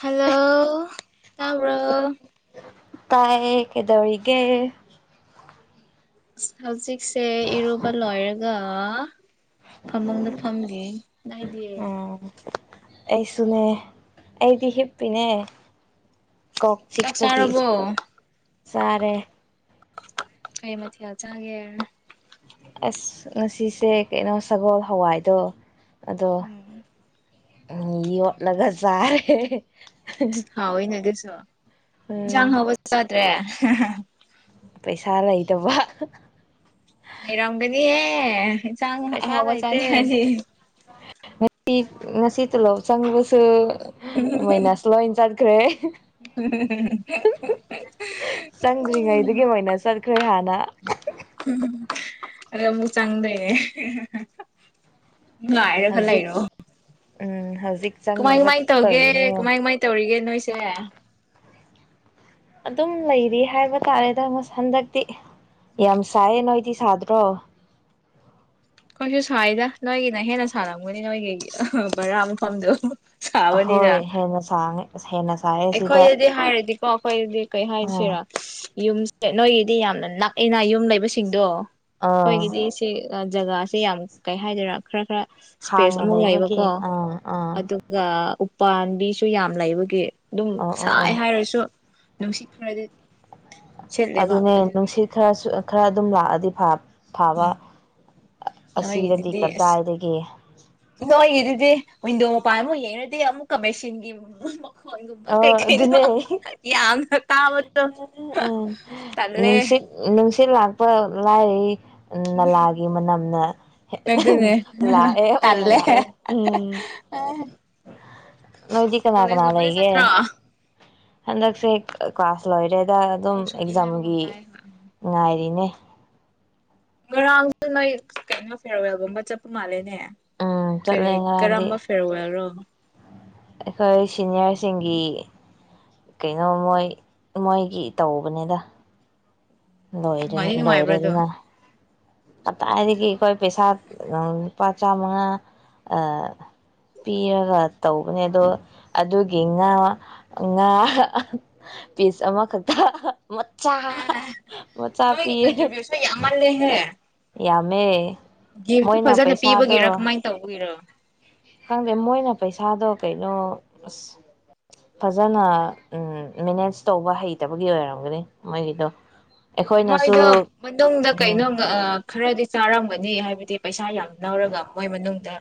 Hello ꯇꯥꯕ꯭ꯔꯣ ꯇꯥꯏꯌꯦ ꯀꯩꯗꯧꯔꯤꯒꯦ ꯍꯧꯖꯤꯛ ꯁꯦ ꯏꯔꯨꯕ ꯂꯣꯏꯔꯒ ꯒ ꯐꯃꯨꯡꯗ ꯐꯝꯂꯤ ꯅꯣꯏꯗꯤ ꯑꯣ ꯑꯩꯁꯨꯅꯦ ꯑꯩꯗꯤ ꯍꯤꯞꯄꯤꯅꯦ ꯀꯣꯛ ꯆꯥꯛ ꯆꯤꯛꯄꯒꯤ ꯆꯥꯔꯕꯣ ꯆꯥꯔꯦ ꯀꯩ ꯃꯊꯦꯜ ꯆꯥꯒꯦ ꯑꯁ ꯉꯁꯤꯁꯦ ꯀꯩꯅꯣ ꯁꯒꯣꯜ ꯍꯋꯥꯏꯗꯣ ꯎꯝ ꯎꯝ ꯌꯣꯠꯂꯒ ꯆꯔꯦ ꯍꯥꯎꯋꯦꯅꯦ ꯑꯗꯨ ꯗꯣ ꯎꯝ ꯏꯟꯁꯥꯡ ꯍꯥꯎꯕ ꯆꯥꯗ꯭ꯔꯦ ꯍꯥ ꯍꯥ ꯍꯥ ꯄꯩꯁꯥ ꯂꯩꯇꯕ ꯂꯩꯔꯝꯒꯅꯤꯍꯦ ꯆꯥꯡ ꯍ ꯄꯩꯁꯥ ꯑꯍꯥꯎꯕ ꯂꯩꯇꯦ ꯆꯥꯅꯤꯉꯗꯤ ꯉꯁꯤ ꯇꯣꯂꯣꯞ ꯆꯪꯕꯁꯨ ꯃꯥꯏꯅꯁ ꯂꯣꯏ ꯆꯠꯈ꯭ꯔꯦ ꯍꯨꯝ ꯍꯨꯝ ꯆꯪꯗ꯭ꯔꯤꯉꯩꯗꯨꯒꯤ ꯃꯥꯏꯅꯁ ꯆꯠꯈ꯭ꯔꯦ ꯍꯥꯟꯅ ꯅꯥ ꯑ ꯍꯨꯝ ꯍꯨꯝ ꯍꯨꯝ ꯍꯨꯝ ꯑꯗꯨꯒ ꯃꯨꯛ ꯆꯪꯗꯣꯏꯅꯦ ꯍꯦ ꯍꯥ ꯍꯥ ꯍꯥ ꯉꯥꯏꯔꯒ ꯈꯔ ꯍꯧꯖꯤꯛ ꯂꯩꯔꯣ ꯎꯝ ꯍꯧꯖꯤꯛ ꯀꯃꯥꯏ ꯆꯪꯅꯕ ꯀꯃꯥꯏ ꯇꯧꯒꯦ ꯇꯧꯔꯤꯅꯦ ꯀꯃꯥꯏ ꯀꯃꯥꯏ ꯇꯧꯔꯤꯒꯦ ꯅꯣꯏꯁꯦ ꯑꯗꯨꯝ ꯂꯩꯔꯤ ꯍꯥꯏꯕ ꯇꯥꯔꯦꯗ ꯑꯁ ꯍꯟꯗꯛꯇꯤ ꯌꯥꯝ ꯁꯥꯏꯌꯦ ꯅꯣꯏꯗꯤ ꯁꯥꯗ꯭ꯔꯣ ꯑꯩꯈꯣꯏꯁꯨ ꯁꯥꯏꯗ ꯅꯣꯏꯒꯤꯅ ꯍꯦꯟꯅ ꯁꯥꯔꯝꯒꯅꯤ ꯅꯣꯏꯒꯤ ꯑꯍꯥ ꯕꯔꯥ ꯃꯐꯝꯗꯣ ꯁꯥꯕꯅꯤꯅ ꯍꯣꯏ ꯍꯦꯟꯅ ꯁꯥꯡꯉꯦ ꯑꯁ ꯍꯦꯟꯅ ꯁꯥꯏꯌꯦ ꯁꯤꯗ ꯑꯩꯈꯣꯏꯗꯗꯤ ꯍꯥꯏꯔꯗꯤꯀꯣ ꯑꯩꯈꯣꯏꯗꯗꯤ ꯀꯩ ꯑꯥ ꯍꯥꯏꯁꯤꯔ ꯌꯨꯝꯁꯦ ꯅꯣꯏꯒꯤꯗꯤ ꯌꯥꯝꯅ ꯅꯛꯏꯅ ꯌꯨꯝ ꯂꯩꯕꯁꯤꯡꯗꯣ ꯑꯥ ꯈꯣꯏꯒꯤꯗꯤ ꯁꯦ ꯑ ꯖꯒꯥꯁꯦ ꯌꯥꯝ ꯀꯩ ꯍꯥꯏꯗꯣꯏꯔꯥ ꯈ꯭ꯔ ꯈ꯭ꯔ ꯏꯁꯄꯦꯁ ꯍꯥꯡꯅ ꯑꯃ ꯂꯩꯕꯒꯤ ꯂꯩꯕꯀꯣ ꯑꯥ ꯑꯥ ꯑꯗꯨꯒ ꯄꯥꯟꯕꯤꯁꯨ ꯌꯥꯝ ꯂꯩꯕꯒꯤ ꯑꯗꯨꯝ ꯑꯣ ꯑꯣ ꯁꯥꯏ ꯑꯣ ꯍꯥꯏꯔꯁꯨ ꯅꯨꯡꯁꯤꯠ ꯈꯔꯗꯤ ꯁꯤꯠꯂꯦꯕ ꯑꯗꯨꯅꯦ ꯑꯗꯨꯒꯤ ꯅꯨꯡꯁꯤꯠ ꯈꯔꯁꯨ ꯑ ꯈꯔ ꯑꯗꯨꯝ ꯂꯥꯛꯑꯗꯤ ꯐꯥꯕ ꯐꯥꯕ ꯑ ꯑꯁꯤꯗꯗꯤ ꯅꯣꯏꯒꯤꯗꯨꯗꯤ ꯀꯗꯥꯏꯗꯒꯤ ꯗꯤ ꯋꯤꯟꯗꯣ ꯃꯄꯥꯟ ꯑꯃꯨꯛ ꯌꯦꯡꯔꯗꯤ ꯑꯃꯨꯛꯀ ꯃꯦꯁꯤꯟꯒꯤ ꯃꯈꯣꯟꯒꯨꯝꯕ ꯑꯣ ꯀꯩ ꯀꯩꯅꯣ ꯑꯗꯨꯅꯦ ꯍꯦ ꯌꯥꯝꯅ ꯇꯥꯕꯗꯣ ꯑꯥ ꯇꯜꯂꯦ ꯅꯨꯡꯁꯤꯠ ꯅꯨꯡꯁꯤꯠ ꯂꯥꯛ ꯄ ꯂꯥꯏꯔꯤ ꯎꯝ ꯅꯂꯥꯒꯤ ꯃꯅꯝꯅ ꯍꯦ ꯑꯍ ꯑꯗꯨꯅꯦ ꯂꯥꯛꯑꯦ ꯑꯣꯏꯅ ꯇꯜꯂꯦ ꯂꯥꯛꯑꯦ ꯎꯝ ꯅꯣꯏꯗꯤ ꯀꯅꯥ ꯀꯅꯥ ꯀꯣꯂꯦꯖꯀꯨꯝꯕꯗꯤ ꯂꯩ ꯆꯠꯇ꯭ꯔꯣ ꯑꯦ ꯑꯣ ꯍꯗꯛꯁꯦ꯫ ꯀ꯭ꯂꯥꯁ꯫ ꯂꯣꯏꯔꯦꯗ ꯑꯗꯨꯝ ꯁꯨꯇꯤ ꯍꯥꯏꯕꯒꯨꯝ ꯑꯦꯛꯖꯥꯝꯒꯤ ꯇꯥꯏ ꯍꯣꯏ ꯎꯝ ꯉꯥꯏꯔꯤꯅꯦ꯫ ꯉꯔꯥꯡꯗ ꯅꯣꯏ ꯀꯩꯅꯣ ꯐꯦꯔꯋꯦꯜꯒꯨꯝꯕ ꯆꯠꯄ ꯃꯥꯜꯂꯦꯅꯦ꯫ ꯎꯝ ꯀꯔꯤ ꯆꯠꯂꯦ ꯉꯔꯥꯡꯗꯤ ꯀꯔꯝꯕ ꯐꯦꯔꯋꯦꯜꯔꯣ꯫ ꯑꯩꯈꯣꯏ ꯁꯤꯅꯤꯌ꯭ꯔꯁꯤꯡꯒꯤ꯫ ꯀꯩꯅꯣ ꯃꯣꯏ ꯃꯣꯏꯒꯤ ꯇꯧꯕꯅꯤꯗ꯫ ꯂꯣꯏꯔꯅꯤ ꯅꯨꯡꯉꯥꯏꯗꯤ ꯅꯨꯡꯉꯥꯏꯕ꯭ꯔꯥ ꯑꯗꯣ ꯂꯣꯏꯔꯦꯗꯅ꯫ ꯀꯗꯥꯏꯗꯒꯤ ꯑꯩꯈꯣꯏ ꯄꯩꯁꯥ ꯂꯨꯄꯥ ꯆꯥꯃꯉꯥ ꯄꯤꯔꯒ ꯇꯧꯕꯅꯦ ꯑꯗꯣ ꯑꯗꯨꯒꯤ ꯉꯥ ꯉꯥ ꯄꯤꯁ ꯑꯃꯈꯛꯇ꯫ ꯃꯆꯥ꯫ ꯃꯆꯥ ꯅꯣꯏ ꯄꯤꯌꯦ ꯀꯟꯇ꯭ꯔꯤꯕꯤꯎꯁꯟ ꯌꯥꯝꯜꯦꯍꯦ꯫ [unintelligible] ꯌꯥꯝꯃꯦ꯫ ꯒꯤꯐꯇꯨ ꯃꯣꯏꯅ ꯐꯖꯅ ꯄꯩꯁꯥꯗꯣ ꯄꯤꯕꯒꯤꯔ ꯀꯃꯥꯏꯅ ꯇꯧꯕꯒꯤꯔ꯫ ꯁꯥꯗꯣ ꯀꯩꯅꯣ ꯑꯁ ꯐꯖꯅ ꯃꯦꯅꯦꯖ ꯇꯧꯕ ꯍꯩꯇꯕꯒꯤ ꯑꯣꯏꯔꯝꯒꯅꯤ ꯃꯣꯏꯒꯤꯗꯣ꯫ ꯑꯩꯈꯣꯏꯅꯁꯨ ꯃꯣꯏꯗꯣ ꯃꯅꯨꯡꯗ ꯎꯝ ꯀꯩꯅꯣꯝ ꯑ꯫ ꯈꯔꯗꯤ ꯆꯥꯔꯝꯒꯅꯤ ꯍꯥꯏꯕꯗꯤ ꯄꯩꯁꯥ ꯌꯥꯝ꯫ ꯂꯧꯔꯒ ꯃꯣꯏ ꯃꯅꯨꯡꯗ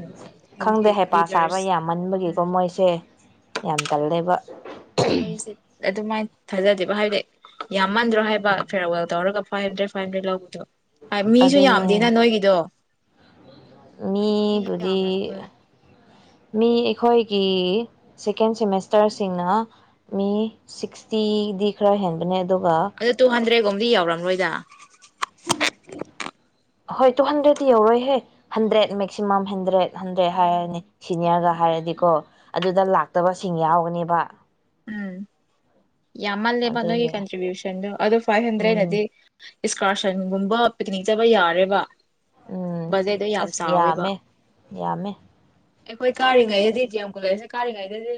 ꯎ ꯍꯥꯏꯕꯗꯤ ꯈꯪꯗꯦ ꯍꯩꯄꯥ ꯁꯥꯕ ꯂꯤꯗꯔꯁ ꯌꯥꯝꯃꯟꯕꯒꯤꯀꯣ ꯎꯝ꯫ ꯃꯣꯏꯁꯦ ꯌꯥꯝ [inaudible] ꯑꯩꯁꯦ ꯑꯗꯨꯃꯥꯥꯏ꯫ ꯊꯥꯖꯗꯦꯕ ꯍꯥꯏꯕꯗꯤ꯫ ꯌꯥꯝꯃꯟꯗ꯭ꯔꯣ ꯍꯥꯏꯕ ꯐꯦꯔꯋꯦꯜ ꯇꯧꯔꯒ꯫ ꯐꯥꯏꯚ ꯍꯟꯗ꯭ꯔꯦ ꯐꯥꯏꯚ ꯍꯟꯗ꯭ꯔꯦ ꯂꯧꯕꯗꯣ꯫ ꯃꯤꯁꯨ ꯑꯗꯨꯅꯦ ꯌꯥꯝꯗꯦꯅ ꯅꯣꯏꯒꯤꯗꯣ꯫ ꯃꯤ ꯃꯤꯕꯨꯗꯤ꯫ ꯌꯥꯝꯔꯝꯔꯣꯏ ꯃꯤ ꯑꯩꯈꯣꯏꯒꯤ ꯁꯦꯀꯦꯟ ꯁꯦꯃꯦꯁꯇꯔꯁꯤꯡꯅ ꯃꯤ ꯁꯤꯛꯁꯇꯤꯗꯤ ꯈꯔ ꯍꯦꯟꯕꯅꯦ꯫ ꯑꯗꯨꯒ ꯑꯗꯨ ꯇꯨ ꯍꯟꯗ꯭ꯔꯦ꯫ ꯂꯣꯝꯗꯤ ꯌꯧꯔꯝꯂꯣꯏꯗ꯫ ꯍꯣꯏ ꯇꯨ ꯍꯟꯗ꯭ꯔꯦꯗꯇꯤ ꯌꯧꯔꯣꯏꯍꯦ ꯍꯟꯗ꯭ꯔꯦꯠ ꯃꯦꯛꯁꯤꯃꯝ ꯍꯟꯗ꯭ꯔꯦꯠ꯫ ꯍꯟꯗ꯭ꯔꯦꯠ ꯎꯝ ꯍꯥꯏꯔꯅꯤ ꯑꯗꯨꯅꯦ ꯁꯤꯅꯤꯌꯔꯒ ꯍꯥꯏꯔꯗꯤꯀꯣ꯫ ꯑꯗꯨꯗ ꯂꯥꯛꯇꯕꯁꯤꯡ ꯌꯥꯎꯒꯅꯤꯕ꯫ ꯎꯝ ꯌꯥꯝꯃꯜꯦꯕ ꯑꯗꯨꯒꯤ ꯀꯟꯇ꯭ꯔꯤꯕꯤꯎꯁꯟꯗꯨ ꯑꯗꯨ ꯐꯥꯏ ꯍꯟꯗ꯭ꯔꯦꯠ ꯎꯝ ꯅꯗꯤ꯫ ꯏꯁꯀꯥꯔꯁꯟꯒꯨꯝꯕ ꯄꯤꯛꯅꯤꯛ ꯆꯠꯕ ꯌꯥꯔꯦꯕ꯫ ꯎꯝ ꯕꯖꯦꯠꯇꯣ ꯌꯥꯝ ꯑꯁ ꯆꯥꯎꯋꯦꯕ ꯌꯥꯝꯃꯦ ꯌꯥꯝꯃꯦ ꯑꯩꯈꯣꯏ ꯀꯥꯔꯤꯉꯩꯗꯗꯤ ꯗꯤ ꯑꯦꯝ ꯀꯣꯂꯦꯁꯁꯦ ꯀꯥꯔꯤꯉꯩꯗꯗꯤ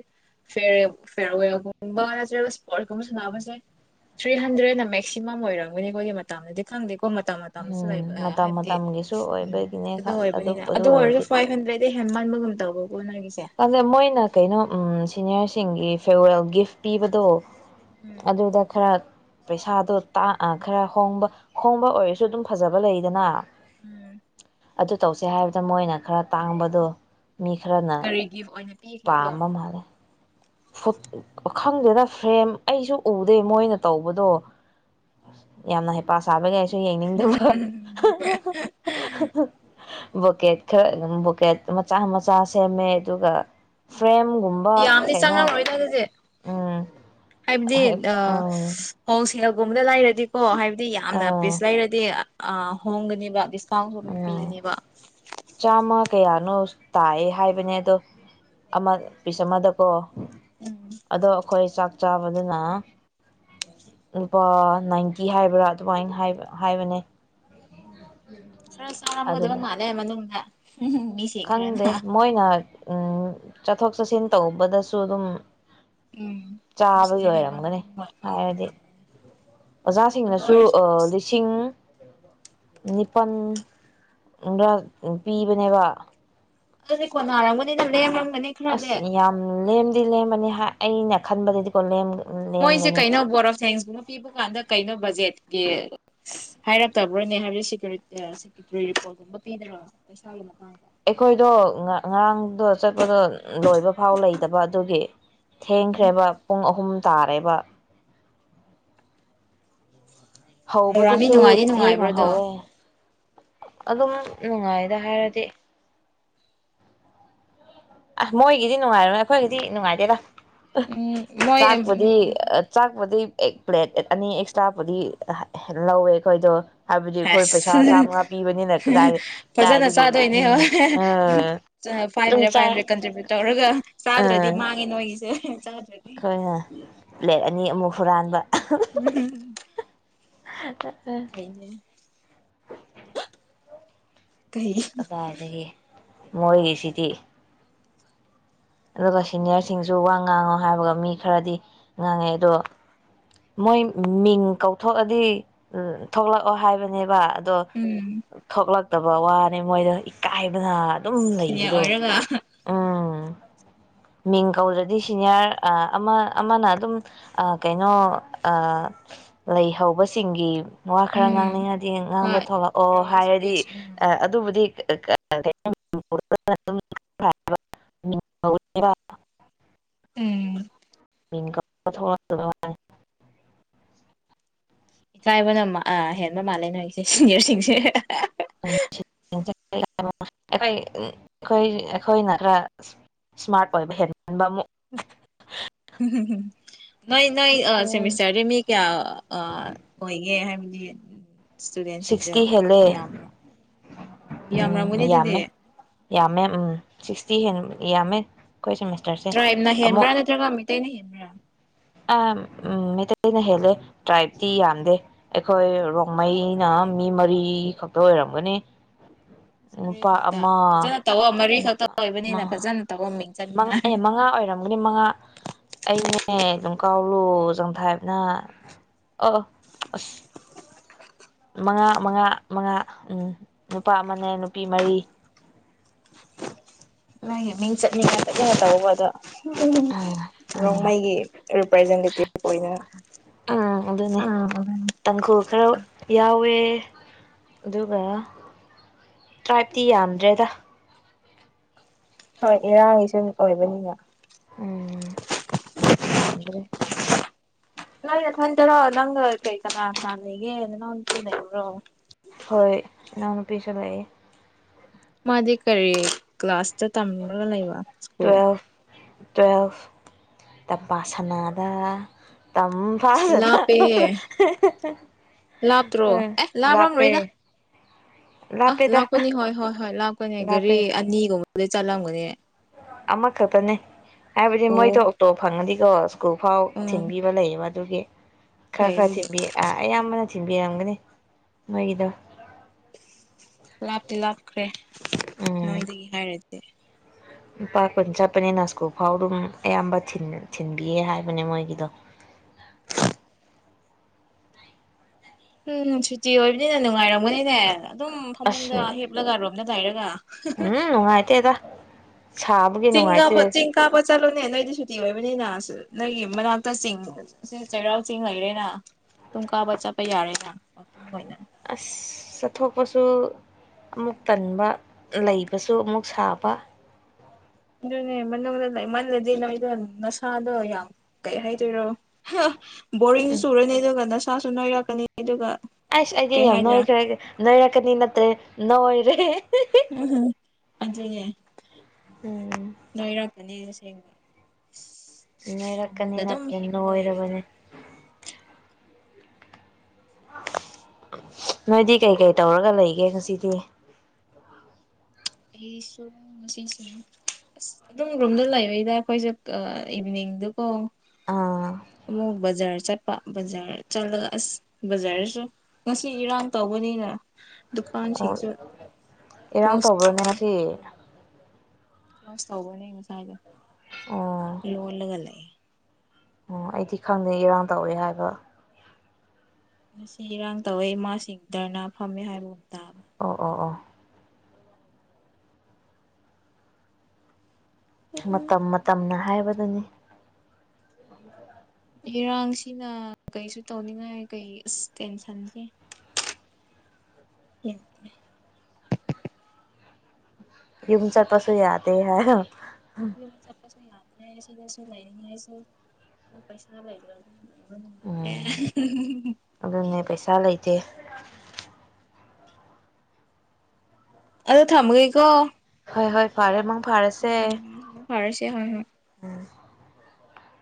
ꯐꯦꯔꯦ ꯐꯤꯌꯔꯋꯦꯜꯒꯨꯝꯕ ꯅꯠꯇ꯭ꯔꯒ ꯏꯁꯄꯣꯔꯠꯁ ꯀꯨꯝꯕ ꯁꯥꯟꯅꯕꯁꯦ ꯊ꯭ꯔꯤ ꯍꯟꯗ꯭ꯔꯦꯠꯅ ꯃꯦꯛꯁꯤꯃꯝ ꯑꯣꯏꯔꯝꯒꯅꯤ ꯑꯩꯈꯣꯏꯒꯤ ꯃꯇꯗꯗꯤ ꯈꯪꯗꯦ ꯀꯣ ꯃꯇꯝ ꯃꯇꯝꯁꯨ ꯂꯩꯕ ꯎꯝ ꯃꯇꯝ ꯍꯥꯏꯕꯗꯤ ꯃꯇꯝꯒꯤꯁꯨ ꯎꯝ ꯑꯣꯏꯕꯒꯤꯅꯦ ꯑꯗꯨ ꯑꯣꯏꯕꯅꯤꯅ ꯑꯗꯨ ꯑꯣꯏꯔꯁꯨ ꯐꯥꯏꯚ ꯍꯟꯗ꯭ꯔꯦꯗꯗꯤ ꯍꯦꯟꯃꯟꯕꯨꯒꯨꯝꯇꯕꯣ ꯑꯗ ꯃꯣꯏꯅ ꯀꯩꯅꯣ ꯎꯝ ꯁꯤꯅꯤꯌꯔ ꯁꯤꯡꯒꯤ ꯐꯦꯔꯋꯦꯜ ꯒꯤꯐ ꯄꯤꯕꯗꯣ ꯎꯝ ꯑꯗꯨꯗ ꯈꯔ ꯄꯩꯁꯥꯗꯣ ꯈꯔ ꯍꯣꯡꯕ ꯍꯣꯡꯕ ꯑꯣꯏꯔꯁꯨ ꯑꯗꯨꯝ ꯐꯖꯕ ꯂꯩꯗꯅ ꯎꯝ ꯑꯗꯨ ꯇꯧꯁꯦ ꯍꯥꯏꯕꯗ ꯃꯣꯏꯅ ꯈꯔ ꯇꯥꯡꯕꯗꯣ ꯃꯤ ꯈꯔꯅ ꯀꯔꯤ ꯒꯤꯐ ꯑꯣꯏꯅ ꯄꯥꯝꯕ ꯄꯤꯈꯤꯕꯗꯣ ꯃꯥꯜꯂꯦ ꯈꯪꯗꯦꯗ ꯐ꯭ꯔꯦꯝ ꯑꯩꯁꯨ ꯎꯗꯦ ꯃꯣꯏꯅ ꯇꯧꯕꯗꯣ ꯌꯥꯝꯅ ꯍꯩꯄꯥ ꯁꯥꯕ ꯌꯦꯡꯅꯤꯡꯗꯕ ꯕꯣꯀꯦꯠ ꯈꯔ ꯑꯗꯨꯝ ꯕꯣꯀꯦꯠ ꯃꯆꯥ ꯃꯆꯥ ꯁꯦꯝꯃꯦ ꯑꯗꯨꯒ ꯐ꯭ꯔꯦꯝ ꯀꯨꯝꯕ ꯆꯪꯉꯝꯣꯏꯅ ꯑꯗꯨꯗꯤ ꯍꯥꯏꯕꯗꯤ ꯍꯦꯛ ꯎꯝ ꯑ ꯨ [unintelligible] ꯂꯩꯔꯗꯤꯀꯣ ꯍꯥꯏꯕꯗꯤ ꯌꯥꯝꯅ ꯑꯥ ꯄꯤꯁ ꯂꯩꯔꯗꯤ ꯑ ꯍꯣꯡꯒꯅꯤꯕ ꯀꯥꯎꯟꯁꯨ ꯑꯗꯨꯝ ꯎꯝ ꯄꯤꯒꯅꯦꯕ ꯆꯥꯝꯃ ꯀꯌꯥꯅꯣ ꯇꯥꯌꯦ ꯍꯥꯏꯕꯅꯦ ꯑꯗꯣ ꯑꯃ ꯄꯤꯁ ꯑꯃꯗꯀꯣ ꯑ ꯑꯗꯣ ꯑꯩꯈꯣꯏ ꯆꯥꯛ ꯆꯥꯕꯗꯨꯅ ꯂꯨꯄꯥ ꯅꯥꯏꯟꯇꯤ ꯍꯥꯏꯕ꯭ꯔꯥ ꯑꯗꯨꯃꯥꯏꯅꯕ ꯍꯥꯏꯕꯅꯦ ꯈꯔ ꯆꯥꯔꯝꯒꯗꯕ ꯑꯗꯨꯗ ꯃꯥꯜꯂꯦ ꯃꯅꯨꯡꯗ ꯃꯤꯁꯤꯡ ꯈꯪꯗꯦ ꯈꯔꯅ ꯃꯣꯏꯅ ꯎꯝ ꯆꯠꯊꯣꯛ ꯆꯠꯁꯤꯟ ꯇꯧꯕꯗꯁꯨ ꯑꯗꯨꯝ ꯎꯝ ꯑꯗꯨ ꯆꯥꯕꯒꯤ ꯁꯤꯖꯤꯟꯅꯕ ꯑꯣꯏꯔꯝꯒꯅꯤ ꯑꯗꯨꯝ ꯍꯥꯏꯔꯗꯤ ꯑꯣꯏꯔꯝꯒꯅꯤ ꯑꯗꯨ ꯑꯣꯖꯥꯁꯤꯡꯅꯁꯨ ꯑꯣꯏꯔꯁꯨ ꯑꯁ ꯂꯤꯁꯤꯡ ꯅꯤꯄꯥꯜꯂ ꯄꯤꯕꯅꯦꯕ ꯑꯗꯨꯗꯤ ꯀꯣꯟꯅꯔꯒꯅꯤꯗ ꯂꯦꯝ ꯑꯁ ꯌꯥꯝ ꯂꯦꯝꯗꯤ ꯂꯦꯝ ꯑꯩꯅ ꯈꯟꯕꯗꯗꯤ ꯀꯣ ꯃꯣꯏꯁꯦ ꯀꯩꯅꯣ ꯕꯣꯔ ꯑꯣꯐ ꯁꯦꯟꯁꯀꯨꯝꯕ ꯄꯤꯕ ꯀꯥꯟꯗ ꯀꯩꯅꯣ ꯕꯖꯦꯠ ꯍꯥꯏꯔꯛꯇꯕ꯭ꯔꯣꯅꯦ ꯍꯥꯏꯕꯗꯤꯦ ꯁꯦꯀꯌꯨꯇꯔꯤ ꯔꯤꯄꯣꯔꯠꯀꯨꯝꯕ ꯄꯤꯗꯕ ꯄꯩꯁꯥꯒꯤ ꯃꯇꯥꯡꯗ ꯑꯩꯈꯣꯏꯗꯣ ꯉꯔꯥꯡꯗꯣ ꯆꯠꯄꯗꯣ ꯂꯣꯏꯕ ꯐꯥꯎ ꯂꯩꯗꯕ ꯑꯗꯨꯒꯤ ꯎꯝ ꯊꯦꯡꯈ꯭ꯔꯦꯕ ꯄꯨꯡ ꯑꯍꯨꯝ ꯇꯥꯔꯦꯕ ꯄ꯭ꯔꯣꯒ꯭ꯔꯥꯝꯗꯤ ꯍꯧꯕꯗꯨꯨꯁꯨ ꯅꯨꯡꯉꯥꯏꯗꯤ ꯊꯦꯡꯅ ꯅꯨꯡꯉꯥꯏꯕ꯭ꯔꯣ ꯑꯗꯣ ꯍꯧꯋ ꯑꯗꯨꯝ ꯅꯨꯡꯉꯥꯏꯗ ꯍꯥꯏꯔꯗꯤ ꯑ ꯃꯣꯏꯒꯤꯗꯤ ꯅꯨꯡꯉꯥꯏꯔꯅꯦ ꯑꯩꯈꯣꯏꯒꯤꯗꯤ ꯅꯨꯡꯉꯥꯏꯗꯦꯔꯥ ꯎꯝ ꯃꯣꯏ ꯆꯥꯛꯄꯗꯤ ꯑ ꯆꯥꯛꯄꯗꯤ ꯑꯦ ꯄ꯭ꯂꯦꯠ ꯑꯅꯤ ꯑꯦꯛꯁꯇ꯭ꯔꯥꯕꯨꯨꯗꯤ ꯂꯧꯋꯦ ꯑꯩꯈꯣꯏꯗꯣ ꯍꯥꯏꯕꯗꯤ ꯑꯩꯈꯣꯏ ꯄꯩꯁꯥ ꯑꯁ ꯆꯥꯝꯃꯉꯥ ꯄꯤꯕꯅꯤꯅ ꯀꯗꯥꯏꯗ ꯐꯖꯅ ꯀꯥꯏꯗꯒꯤ ꯆꯥꯗꯣꯏꯅꯦ ꯎꯝ ꯍꯣꯏ ꯎ ꯐꯥꯏꯚ ꯑꯗꯨꯝ ꯍꯟꯗ꯭ꯔꯦꯠ ꯐꯥꯏꯚ ꯆꯥꯏ ꯍꯟꯗ꯭ꯔꯦꯠ ꯀꯟꯇ꯭ꯔꯤꯕ꯭ꯌꯨꯠ ꯇꯧꯔꯒ ꯆꯥꯗ꯭ꯔꯗꯤ ꯃꯥꯡꯉꯦ ꯅꯣꯏꯒꯤꯁꯦ ꯆꯥꯗ꯭ꯔꯗꯤ ꯈꯣꯏ ꯍꯥꯏ ꯄ꯭ꯂꯦꯠ ꯑꯅꯤ ꯑꯃꯨꯛ ꯍꯨꯔꯥꯟꯕ ꯎꯝ [unintelligible] [unintelligible] ꯀꯩ ꯀꯗꯥꯏꯗꯒꯤ ꯃꯣꯏꯒꯤꯁꯤꯗꯤ ꯑꯗꯨꯒ ꯁꯤꯅꯤꯌꯥꯔꯁꯤꯡꯁꯨ ꯋꯥꯡ ꯉꯥꯡꯉꯣ ꯍꯥꯏꯕꯒ ꯃꯤ ꯈꯔꯗꯤ ꯉꯥꯡꯉꯦ ꯑꯗꯣ ꯃꯣꯏ ꯃꯤꯡ ꯀꯧꯊꯣꯛꯑꯗꯤ ꯊꯣꯛꯂꯛꯑꯣ ꯍꯥꯏꯕꯅꯦꯕ ꯑꯗꯨ ꯎꯝ ꯊꯣꯛꯂꯛ ꯐꯠꯇꯕ ꯋꯥꯅꯤ ꯃꯣꯏꯗ ꯏꯀꯥꯏ ꯑꯥ ꯑꯗꯨꯝ ꯁꯤꯅꯤꯌꯔ ꯂꯩꯕꯗꯣ ꯑꯣꯏꯔꯒ ꯎꯝ ꯃꯤꯡ ꯀꯧꯔ꯭ꯗꯤ ꯁꯤꯅꯤꯌꯥꯔ ꯑꯃ ꯑꯃꯅ ꯑꯗꯨꯝ ꯀꯩꯅꯣ ꯂꯩ ꯍꯧꯕꯁꯤꯡꯒꯤ ꯋꯥ ꯈꯔ ꯎꯝ ꯉꯥꯡꯅꯤꯡꯉꯗꯤ ꯉꯥꯡꯕ ꯍꯣꯏ ꯊꯣꯛꯂꯛꯑꯣ ꯐꯤꯌꯔꯋꯦꯜ ꯍꯥꯏꯔꯗꯤ ꯁ꯭ꯄꯤꯆ ꯎꯝ ꯑꯗꯨꯕꯨꯗꯤ [unintelligible] ꯎꯝ [unintelligible] [unintelligible] ꯏꯀꯥꯏꯕꯅ ꯑ ꯍꯦꯟꯕ ꯃꯥꯜꯂꯦ ꯅꯣꯏ ꯑꯩꯁꯦ ꯁꯤꯅꯤꯌꯔꯁꯤꯡꯁꯦ ꯈꯣꯏ ꯑꯩꯈꯣꯏ ꯑꯩꯈꯣꯏꯅ ꯈꯔ ꯏꯁꯃꯥꯔꯠ ꯑꯣꯏꯕ ꯍꯦꯟꯃꯟꯕ ꯑꯃꯨꯛ ꯎꯝ ꯍꯨꯝ ꯍꯨꯝ ꯅꯣꯏ ꯅꯣꯏ ꯑ ꯎꯝ ꯁꯦꯃꯤꯁꯇꯔꯗꯤ ꯃꯤ ꯀꯌꯥ ꯑ ꯑ ꯑꯣꯏꯒꯦ ꯍꯥꯏꯕ [unintelligible] ꯏꯁꯇꯨꯗꯦꯟꯁꯤꯡꯗꯣ ꯁꯤꯛꯁꯇꯤ ꯍꯦꯜꯂꯦ ꯌꯥꯝꯕ꯭ꯔꯥ ꯑꯣ ꯎꯝ ꯌꯥꯝꯔꯝꯒꯅꯤ ꯑꯗꯨꯗꯤ ꯌꯥꯝꯃꯦ ꯌꯥꯝꯃꯦ ꯎꯝ ꯁꯤꯛꯁꯇꯤ ꯍꯦꯟ ꯌꯥꯝꯃꯦ ꯁꯦꯃꯤꯁꯇꯔꯁꯦ ꯇ꯭ꯔꯥꯏꯞꯅ ꯍꯦꯟꯕ꯭ꯔꯥ ꯅꯠꯇ꯭ꯔꯒ ꯃꯤꯇꯩꯇꯩꯅ ꯍꯦꯟꯕ꯭ꯔꯥ ꯑꯝ ꯃꯩꯇꯩꯅ ꯍꯦꯜꯂꯦ ꯇ꯭ꯔꯥꯏꯕꯇꯤ ꯌꯥꯝꯗꯦ ꯑꯩꯈꯣꯏ ꯔꯣꯡꯃꯩꯅ ꯃꯤ ꯃꯔꯤ ꯈꯛꯇ ꯑꯣꯏꯔꯝꯒꯅꯤ ꯑ ꯃꯔꯤ ꯅꯨꯄꯥ ꯈꯛꯇ ꯑꯃ ꯐꯖꯅ ꯇꯧꯑꯣ ꯃꯔꯤ ꯈꯛꯇ ꯅꯨꯄꯥ ꯑꯃ ꯑꯣꯏꯕꯅꯤꯅ ꯐꯖꯅ ꯇꯧꯑꯣ ꯃꯤꯡ ꯑꯦ ꯆꯠꯅꯤꯡꯉꯥꯏ ꯃꯉꯥ ꯑꯣꯏꯔꯝꯒꯅꯤ ꯃꯉꯥ ꯑꯩꯅꯦ ꯑꯗꯨꯝ ꯀꯥꯎꯔ ꯂꯣꯖꯪ ꯊꯥꯏꯕꯅ ꯑ ꯑ ꯃꯉꯥ ꯃꯉꯥ ꯃꯉꯥ ꯎꯝ ꯅꯨꯄꯥ ꯑꯃꯅꯦ ꯅꯨꯄꯤ ꯃꯔꯤ ꯅꯪ ꯃꯤꯡ ꯆꯠꯅꯤꯡꯉꯥꯏ ꯆꯠꯅꯤꯡꯉ ꯇꯧꯕ ꯑꯗꯣ ꯎꯝ ꯔꯣꯡꯃꯥꯏꯒꯤ ꯔꯤꯄ꯭ꯔꯖꯦꯟꯇꯦꯇꯤꯚ ꯑꯣꯏꯅ ꯎꯝ ꯑꯗꯨꯅꯦ ꯇꯥꯡꯈꯨꯜ ꯈꯔ ꯌꯥꯎꯋꯦ ꯑꯗꯨꯒ ꯇ꯭ꯔꯥꯏꯞꯇꯤ ꯌꯥꯝꯗ꯭ꯔꯦꯗ ꯍꯣꯏ ꯏꯔꯥꯡꯒꯤꯁꯨ ꯑꯣꯏꯕꯅꯤꯅ ꯎꯝ ꯌꯥꯝꯗ꯭ꯔꯦ ꯅ ꯇꯔꯣ ꯅꯪ ꯀꯩ ꯀꯅꯥ ꯁꯥꯟꯒ ꯅ ꯆꯕꯣ ꯍꯣꯏ ꯏ ꯅꯨꯨꯄꯤ ꯆꯂꯥꯏꯑꯦ ꯃꯥꯗꯤ ꯀꯔꯤ ꯀ꯭ꯂꯥꯁ ꯇꯝꯒ ꯂꯩꯕ ꯁꯀꯣ ꯇꯨꯋꯦꯜꯐ ꯇꯨꯋꯦꯜꯐ ꯇ ꯄ ꯁꯅꯥꯗ ꯂꯥꯞꯄꯦ ꯂꯥꯞꯇ꯭ꯔꯣ ꯎꯝ ꯑꯦ ꯂꯥꯞꯄꯦ ꯂꯥꯞꯔꯝꯂꯣꯏꯗ ꯑ ꯂꯥꯞꯄꯦꯗ ꯂꯥꯞꯀꯅꯤ ꯍꯣꯏ ꯍꯣꯏ ꯍꯣꯏ ꯂꯥꯞꯀꯅꯤ ꯂꯥꯞꯄꯦ ꯒꯥꯔꯤ ꯑꯅꯤꯒꯨꯝꯕ ꯂꯩ ꯆꯠꯂꯝꯒꯅꯦ ꯑꯃ ꯈꯇꯅꯦ ꯑꯦꯕꯖꯤ ꯑꯣ ꯃꯣꯏꯣ ꯑꯣꯞꯛꯇꯣꯞ ꯐꯪꯗ ꯌꯥ ꯀꯐꯥꯎ ꯎꯝ ꯊꯦꯡꯕꯤꯕ ꯂꯩꯥꯏꯕ ꯑꯗꯨꯒꯤ ꯈꯔ ꯐꯩ ꯈꯔ ꯑꯗꯨꯗꯤ ꯆꯤꯕꯤ ꯑ ꯑꯌꯥꯝꯕꯅ ꯊꯤꯟꯕꯤꯔꯝꯒꯅꯤ ꯃꯣꯏꯒꯤꯗꯣ ꯂꯥꯞꯇꯤ ꯂꯥꯞꯈ꯭ꯔꯦ ꯎꯝ ꯅꯣꯏꯗꯒꯤ ꯍꯥꯏꯔꯗꯤ [unintelligible] ꯂꯨꯄꯥ ꯀꯨꯟ ꯆꯠꯄꯅꯦ ꯅꯥꯁꯀꯨ ꯐꯥꯎ ꯑꯗꯨꯝ ꯑꯌꯥꯝꯕ ꯊꯤꯟꯕꯤꯌꯦ ꯍꯥꯏꯕꯅꯦ ꯃꯣꯏꯒꯤꯗꯣ ꯎꯝ ꯁꯨꯇꯤ ꯑꯣꯏꯕꯅꯤꯅ ꯅꯨꯡꯉꯥꯏꯔꯝꯒꯅꯤꯅꯦ ꯑꯗꯨꯝ ꯐꯃꯨꯡꯗ ꯑꯁ ꯍꯦꯞꯂꯒꯔꯣ ꯅ ꯇꯩꯔꯒ ꯎꯝ ꯑꯥꯏꯇ ꯑꯗ ꯆꯤꯡ ꯀꯥꯞꯄ ꯆꯦꯡ ꯀꯥꯞꯄ ꯆꯠꯂꯨꯅꯦ ꯅꯣꯏꯗꯤ ꯁꯨꯇꯤ ꯑꯣꯏꯕꯅꯤꯅ ꯅꯣꯏꯒꯤ ꯃꯅꯥꯛꯇ ꯆꯤꯡ ꯆꯩꯔꯥꯎ ꯆꯤꯡ ꯂꯩꯔꯦꯅ ꯇꯨꯡ ꯀꯥꯕ ꯆꯠꯄ ꯌꯥꯔꯦꯅ ꯋꯀꯤꯡ ꯑꯣꯏꯅ ꯑꯁ ꯆꯠꯊꯣꯛꯄꯁꯨ ꯑꯃꯨꯛ ꯇꯟꯕ ꯂꯩꯕꯁꯨ ꯑꯃꯨꯛ ꯁꯥꯕ ꯑꯗꯨꯅꯦ ꯃꯅꯨꯡꯗ ꯂꯩꯃꯜꯂꯗꯤ ꯅ ꯑꯩꯗꯣ ꯅꯁꯥꯗꯣ ꯌꯥꯝ ꯀꯩ ꯍꯥꯏꯗꯣꯏꯔꯣ ꯕꯣꯔꯤꯡ ꯎꯝ ꯆꯨꯔꯅꯤ ꯑꯗꯨꯒ ꯅꯁꯥ ꯁꯥꯁꯨ ꯅꯣꯏꯔꯛꯀꯅꯤ ꯑꯗꯨꯒ ꯑꯁ ꯑꯩꯗꯤ ꯀꯩ ꯌꯥꯝ ꯍꯥꯏꯗꯣꯏꯔꯥ ꯅꯣꯏꯈ꯭ꯔꯦ ꯅꯣꯏꯔꯛꯀꯅꯤ ꯅꯠꯇ꯭ꯔꯦ ꯅꯣꯏꯔꯦ [unintelligible] ꯑꯗꯨꯅꯦ ꯎꯝ ꯑꯅꯤꯒ ꯁꯦꯡꯕ ꯅꯣꯏꯔꯛꯀꯅꯤ ꯅꯠꯇ꯭ꯔꯦ ꯍꯤꯞꯂꯒ ꯂꯩꯔꯗꯤ ꯅꯣꯏꯔꯕꯅꯦ ꯅꯣꯏꯗꯤ ꯀꯩꯀꯩ ꯇꯧꯔꯒ ꯂꯩꯒꯦ ꯉꯁꯤꯗꯤ ꯑꯩꯁꯨ ꯉꯁꯤꯁ ꯑꯁ ꯑꯗꯨꯝ ꯔꯨꯝꯗ ꯂꯩꯕꯩꯗ ꯑꯩꯈꯣꯏꯁꯦ ꯏꯚꯅꯤꯡꯗꯀꯣ ꯑꯥ ꯑꯃꯨꯛ ꯕꯖꯥꯔ ꯆꯠ ꯕꯖꯥꯔ ꯆꯠꯂꯒ ꯑꯁ ꯕꯖꯥꯔꯗꯁꯨ ꯉꯁꯤ ꯏꯔꯥꯡ ꯇꯧꯕꯅꯤꯅ ꯗꯨꯀꯥꯟꯁꯤꯡꯖ ꯀ꯭ꯂꯣꯁ ꯇꯧ ꯕꯅꯦ ꯇꯧꯋꯦ ꯉꯁꯤ ꯀ꯭ꯂꯣꯁ ꯇꯧꯕꯅꯦ ꯉꯁꯥꯏꯗ ꯑꯣ ꯂꯣꯜꯂꯒ ꯂꯩ ꯑꯣ ꯑꯩꯗꯤ ꯈꯪꯗꯦ ꯏꯔꯥꯡ ꯇꯧꯋꯦ ꯍꯥꯏꯕ ꯉꯁꯤ ꯏꯔꯥꯡ ꯇꯧꯋꯦ ꯏꯃꯥꯁꯤꯡꯗꯔꯅ ꯐꯝꯃꯦ ꯍꯥꯏꯕꯒꯝꯇ ꯑꯣ ꯑꯣ ꯑꯣ ꯎꯝ ꯃꯇꯝ ꯃꯇꯝꯅ ꯍꯥꯏꯕꯗꯨꯅꯤ ꯏꯔꯥꯡꯁꯤꯅ ꯀꯩꯁꯨ ꯇꯧꯅꯤꯡꯉꯥꯏ ꯀꯩ ꯑꯁ ꯇꯦꯟꯁꯟꯁꯦ ꯌꯨꯝ ꯆꯠꯄꯁꯨ ꯌꯥꯗꯦ ꯍꯥꯏ ꯌꯏꯝ ꯆꯠꯄꯁꯨ ꯌꯥꯗ꯭ꯔꯦ ꯁꯤꯗꯁꯨ ꯂꯩꯅꯤꯡꯉꯥꯏꯁꯨ ꯄꯩꯁꯥ ꯂꯩꯗ꯭ꯔꯗꯤ ꯎꯝ ꯑꯗꯨꯅꯦ ꯄꯩꯁꯥ ꯂꯩꯇꯦ ꯑꯗꯣ ꯊꯝꯃꯒꯦꯀꯣ ꯍꯣꯏ ꯍꯣꯏ ꯐꯔꯦ ꯃꯪ ꯐꯔꯁꯦ ꯎꯝ [unintelligible] ꯎꯝ